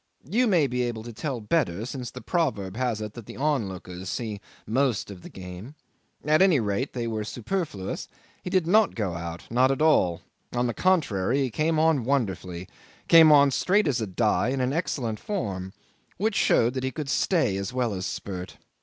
You may be able to tell better, since the proverb has it that the onlookers see most of the game. At any rate, they were superfluous. He did not go out, not at all; on the contrary, he came on wonderfully, came on straight as a die and in excellent form, which showed that he could stay as well as spurt.